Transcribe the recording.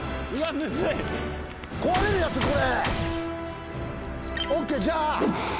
壊れるやつ、これ？